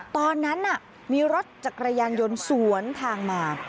ตอนนั้นมีรถจักรยานยนต์สวนทางมา